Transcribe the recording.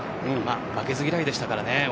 負けず嫌いでしたからね。